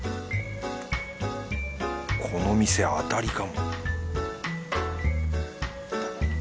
この店当たりかも